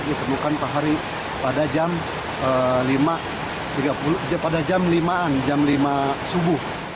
ditemukan pahari pada jam lima an jam lima subuh